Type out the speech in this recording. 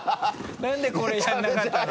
何でこれやらなかったの？